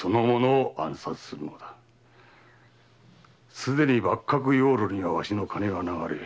すでに幕閣にはわしの金が流れ